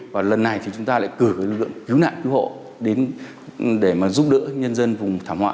và chúng ta lại cử lực lượng cứu nạn cứu hộ để giúp đỡ nhân dân vùng thảm họa